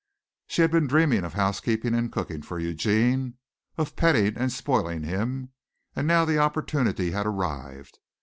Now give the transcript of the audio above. She had been dreaming of housekeeping and cooking for Eugene, of petting and spoiling him, and now the opportunity had arrived.